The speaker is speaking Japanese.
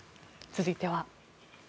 続いては。